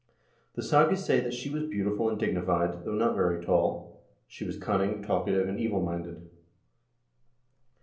The sagas say that she was beautiful and dignified, though not very tall ; she was cunning, talkative, and evil minded.